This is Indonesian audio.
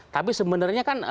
tapi sebenarnya kan